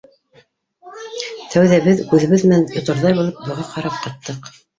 Тәүҙә беҙ, күҙебеҙ менән йоторҙай булып, быға ҡарап ҡаттыҡ.